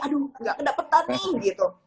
aduh gak kedapatan nih gitu